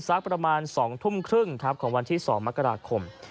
สักประมาณ๒ทุ่มครึ่งครับของวันที่๒มกราคม